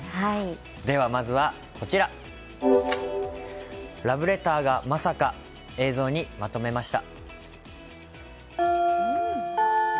では、まずはこちら、「ラブレターがまさか」映像にまとめました。